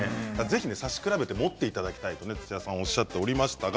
ぜひ差し比べて持ってみてほしいと土屋さんはおっしゃっていました。